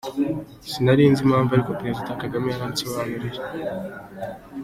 Sinarinzi impamvu ariko Perezida Kagame yaransobanuriye.